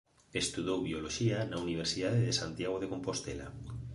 Estudou bioloxía na Universidade de Santiago de Compostela.